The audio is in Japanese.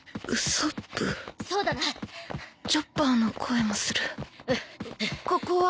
そうだなチョッパーの声もするここは？